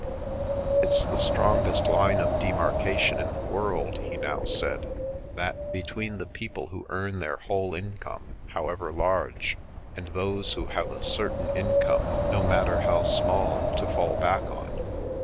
" It's the strongest line of demarcation in the world," he now said, " that between the people who earn their whole income, however large, and those who have a certain income, no matter how small, to fall back on.